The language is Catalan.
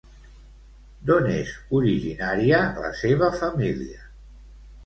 D'on és originària la seva família?